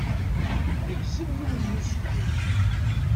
Negzem yiwen n useklu.